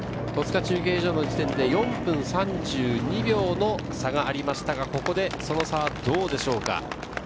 戸塚中継所の時点で４分３２秒の差がありましたが、ここでその差はどうでしょうか？